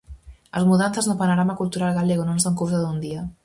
As mudanzas no panorama cultural galego non son cousa dun día.